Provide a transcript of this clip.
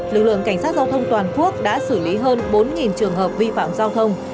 lực lượng cảnh sát giao thông toàn quốc đã xử lý hơn bốn trường hợp vi phạm giao thông